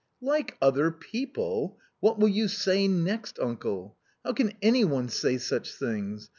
" Like other people— rwhat will you say next, uncle ? how can v any one say such things